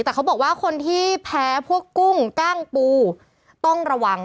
แต่เขาบอกว่าคนที่แพ้พวกกุ้งกล้างปูต้องระวัง